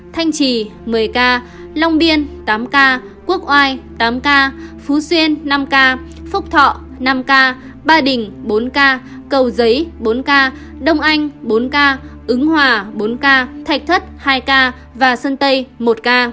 thanh trì một mươi ca long biên tám ca quốc oai tám ca phú xuyên năm ca phúc thọ năm ca ba đình bốn ca cầu giấy bốn ca đông anh bốn ca ứng hòa bốn ca thạch thất hai ca và sơn tây một ca